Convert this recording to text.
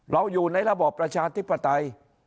เราอยู่ในระบอบประชาธิปไตย